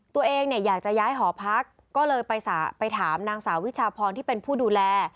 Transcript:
ตัวเองเนี่ยอยากจะย้ายหอพักก็เลยไปถามนางสาววิชาพรที่เป็นผู้ดูแล